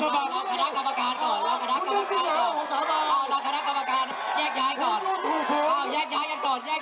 มันก็เกือบมากเลยนะครับ